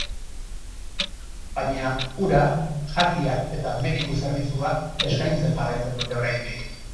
Baina, ura, jakiak eta mediku zerbitzua eskaintzen jarraitzen dute oraindik.